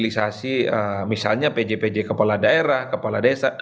sosialisasi misalnya pj pj kepala daerah kepala desa